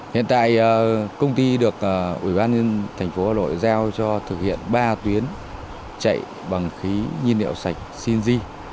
hiện tại công ty được ủy ban thành phố hà nội giao cho thực hiện ba tuyến chạy bằng khí nhiên liệu sạch cng